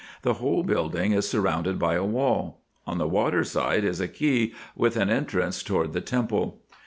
The whole build ing is surrounded by a wall. On the water side is a quay, with an entrance toward the temple.